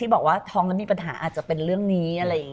ที่บอกว่าท้องและมีปัญหาอาจจะเป็นเรื่องนี้